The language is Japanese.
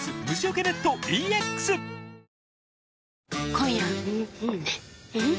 今夜はん